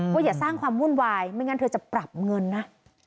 อย่าสร้างความวุ่นวายไม่งั้นเธอจะปรับเงินนะ